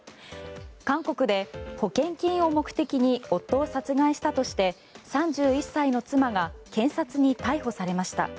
韓国で保険金を目的に夫を殺害したとして３１歳の妻が検察に逮捕されました。